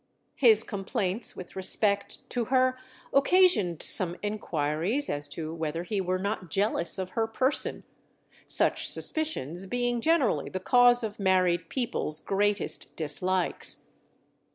His complaints with respect to her occasioned some enquiries as to whether he were not jealous of her person; such suspicions being generally the cause of married people's greatest dislikes.